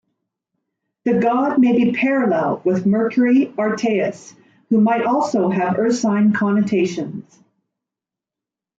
The god may be parallel with Mercury Artaius, who might also have ursine connotations.